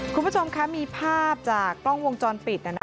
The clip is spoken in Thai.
คุณผู้ชมคะมีภาพจากกล้องวงจรปิด